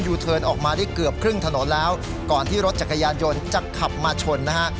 เทิร์นออกมาได้เกือบครึ่งถนนแล้วก่อนที่รถจักรยานยนต์จะขับมาชนนะฮะ